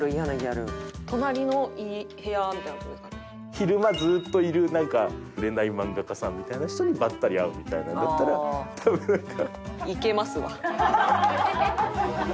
昼間ずっといるなんか売れない漫画家さんみたいな人にばったり会うみたいなんだったら多分なんか。